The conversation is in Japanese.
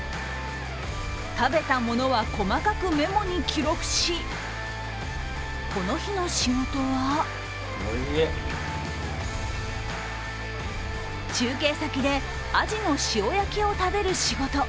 食べたものは細かくメモに記録しこの日の仕事は中継先でアジの塩焼きを食べる仕事。